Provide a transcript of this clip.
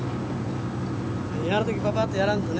やる時パパっとやらんとね。